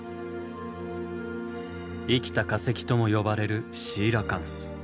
生きた化石とも呼ばれるシーラカンス。